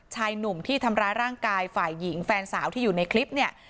ชายหนุ่มที่ทำร้ายร่างกายฝ่ายหญิงแฟนสาวที่อยู่ในคลิปเนี่ย